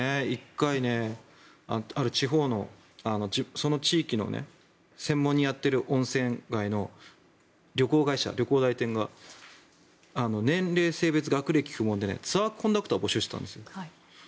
１回、ある地方のその地域を専門にやっている温泉街の旅行会社旅行代理店が年齢、性別、学歴不問でツアーコンダクターを募集してたんですよ。